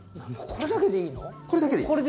これだけでいいの？